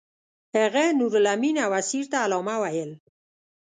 هغه نورالامین او اسیر ته علامه ویل.